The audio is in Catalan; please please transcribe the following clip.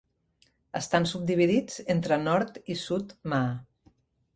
Estan subdividits entre Nord i Sud Maa.